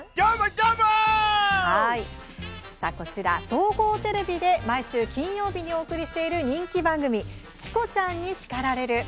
総合テレビで毎週金曜日にお送りしている人気番組「チコちゃんに叱られる」。